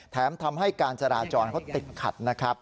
ทำให้การจราจรเขาติดขัดนะครับ